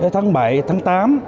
tháng bảy tháng tám